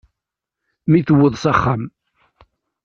Mi tewweḍ s axxam.